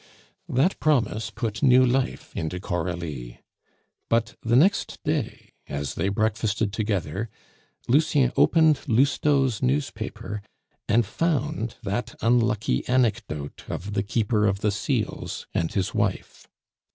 That promise put new life into Coralie. But the next day, as they breakfasted together, Lucien opened Lousteau's newspaper, and found that unlucky anecdote of the Keeper of the Seals and his wife.